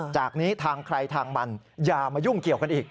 จากนี้ทางใครทางมันอย่ามายุ่งเกี่ยวกันอีก